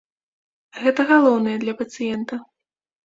Гэта галоўнае для пацыента.